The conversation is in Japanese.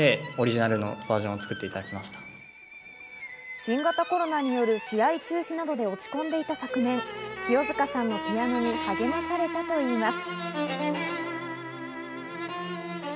新型コロナによる試合中止などで落ち込んでいた昨年、清塚さんのピアノに励まされたといいます。